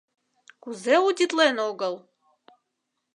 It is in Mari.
— Кузе удитлен огыл?